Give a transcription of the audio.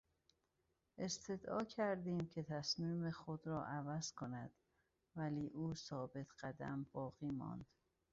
استدعا کردیم که تصمیم خود را عوض کند ولی او ثابت قدم باقی ماند.